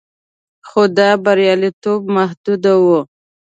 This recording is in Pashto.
خو دا بریالیتوب محدود و